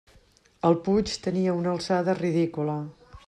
El puig tenia una alçada ridícula.